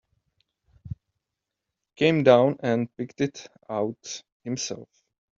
Came down and picked it out himself.